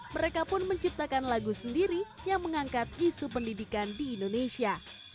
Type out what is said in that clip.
mereka pun menciptakan lagu sendiri yang mengangkat isu pendidikan di indonesia